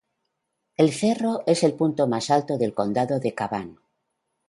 El cerro es el punto más alto del Condado de Cavan.